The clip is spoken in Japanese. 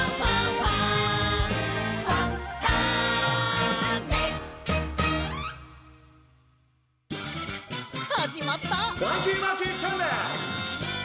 「『ファンキーマーキーチャンネル』。